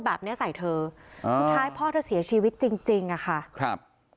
แบบเนี้ยใส่เธออ่าสุดท้ายพ่อเธอเสียชีวิตจริงจริงอ่ะค่ะครับ